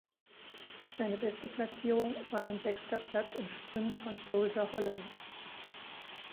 Seine beste Platzierung war ein sechster Platz im Sprint von Soldier Hollow.